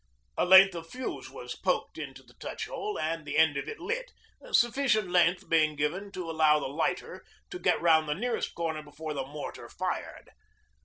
A length of fuse was poked into the touch hole and the end lit, sufficient length being given to allow the lighter to get round the nearest corner before the mortar fired.